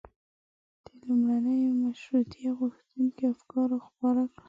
د لومړنیو مشروطیه غوښتونکيو افکار خپاره کړل.